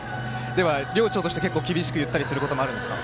寮長として結構厳しく言うこともあるんですか。